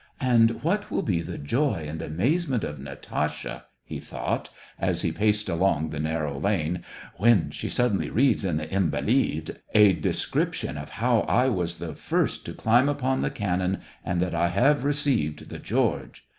" And what will be the joy and amazement of Natasha," he thought, as he paced along the narrow lane, ... when she suddenly reads in the Invalid a description of how I was the first to climb upon the cannon, and that I have received the George